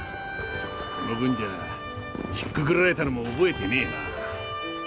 その分じゃひっくくられたのも覚えてねえな？